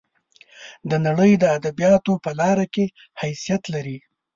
د نړۍ د ادبیاتو په لار کې حیثیت لري.